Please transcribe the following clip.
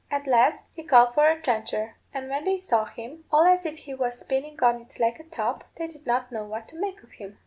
At last he called for a trencher; and when they saw him, all as if he was spinning on it like a top, they did not know what to make of him.